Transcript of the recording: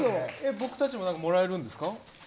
僕たちも何かもらえるんですか。